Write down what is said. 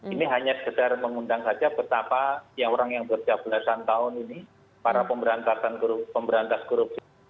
ini hanya sederhana mengundang saja betapa orang yang berjablasan tahun ini para pemberantasan korupsi